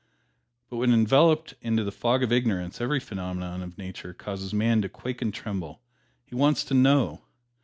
But when enveloped in the fog of ignorance every phenomenon of Nature causes man to quake and tremble he wants to know!